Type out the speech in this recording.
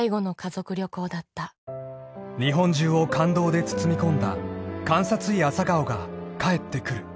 ［日本中を感動で包み込んだ『監察医朝顔』が帰ってくる］